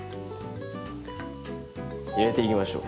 入れていきましょう。